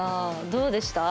どうでした？